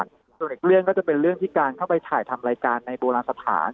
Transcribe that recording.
ส่วนอีกเรื่องก็จะเป็นเรื่องที่การเข้าไปถ่ายทำรายการในโบราณสถาน